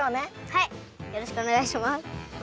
はいよろしくおねがいします。